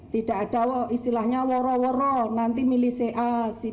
tidak ada istilahnya woro woro nanti milisi a si b